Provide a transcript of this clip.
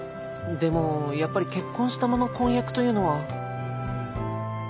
でもやっぱり結婚したまま婚約というのは。